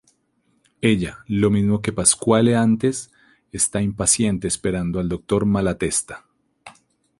Ella, lo mismo que Pasquale antes, está impaciente esperando al doctor Malatesta.